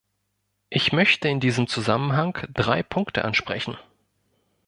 Ich möchte in diesem Zusammenhang drei Punkte ansprechen.